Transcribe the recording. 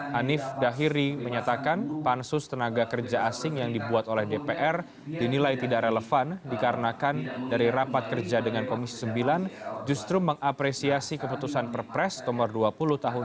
hanif dahiri menyatakan pansus tenaga kerja asing yang dibuat oleh dpr dinilai tidak relevan dikarenakan dari rapat kerja dengan komisi sembilan justru mengapresiasi keputusan perpres nomor dua puluh tahun dua ribu dua puluh